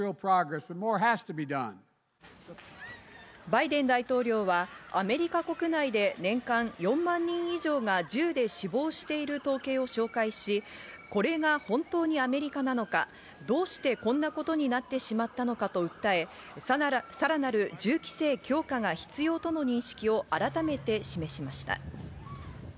バイデン大統領はアメリカ国内で年間４万人以上が銃で死亡している統計を紹介し、これが本当にアメリカなのか、どうしてこんなことになってしまったのかと訴え、さらなる銃規制強化が必要との認識を改めて示しました。